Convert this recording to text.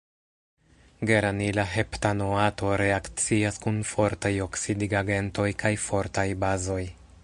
Geranila heptanoato reakcias kun fortaj oksidigagentoj kaj fortaj bazoj.